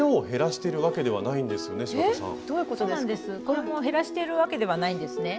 これも減らしてるわけではないんですね。